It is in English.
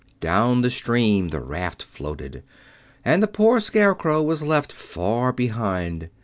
Down the stream the raft floated, and the poor Scarecrow was left far behind.